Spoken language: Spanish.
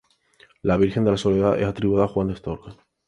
La Virgen de la Soledad es atribuida a Juan de Astorga.